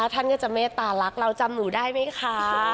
ท่านก็จะเมตตารักเราจำหมูได้ไหมคะ